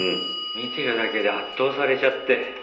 見てるだけで圧倒されちゃって。